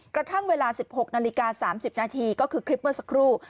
กระทั่งเวลา๑๖นาฬิกา๓๐นาทีก็คือคลิปเมื่อสักครู่